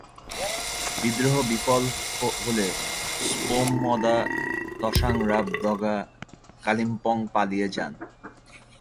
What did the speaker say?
বিদ্রোহ বিফল হলে স্পোম-ম্দা'-ত্শাং-রাব-দ্গা' কালিম্পং পালিয়ে যান।